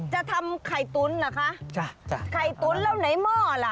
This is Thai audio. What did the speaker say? จะทำไข่ตุ๋นเหรอคะจ้ะไข่ตุ๋นแล้วไหนหม้อล่ะ